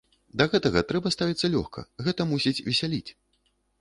Да гэтага трэба ставіцца лёгка, гэта мусіць весяліць.